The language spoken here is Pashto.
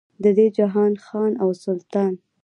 د دې جهان خان او سلطان.